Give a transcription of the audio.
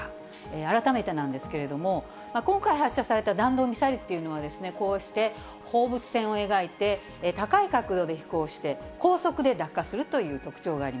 改めてなんですけれども、今回発射された弾道ミサイルっていうのはですね、こうして放物線を描いて、高い角度で飛行して、高速で落下するという特徴があり